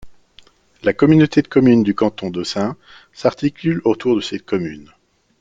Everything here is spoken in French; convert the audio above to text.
La communauté de communes du canton d'Ossun s'articule autour de cette commune.